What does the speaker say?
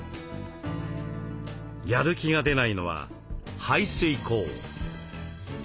やる気が出ないのは排水口。